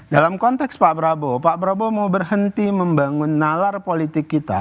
dalam konteks pak prabowo pak prabowo mau berhenti membangun nalar politik kita